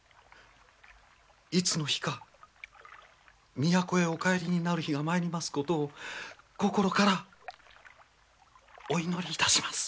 いつの日か都へお帰りになる日が参りますことを心からお祈りいたします。